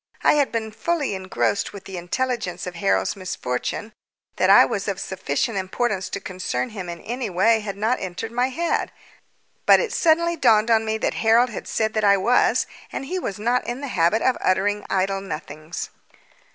I had been fully engrossed with the intelligence of Harold's misfortune that I was of sufficient importance to concern him in any way had not entered my head; but it suddenly dawned on me that Harold had said that I was, and he was not in the habit of uttering idle nothings.